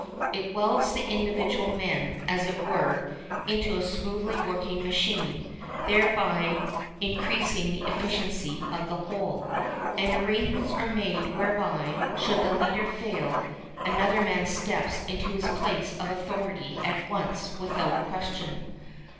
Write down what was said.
It welds the individual men, as it were, into a smoothly working machine, thereby increasing the efficiency of the whole. And arrangements are made whereby, should the leader fail, another man steps into his place of authority at once and without question.